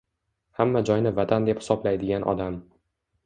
Hamma joyni vatan deb hisoblaydigan odam.